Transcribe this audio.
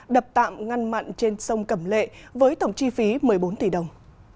đập tạm ngăn mặn trên sông cẩm lệ với tổng chi phí một mươi bốn tỷ đồng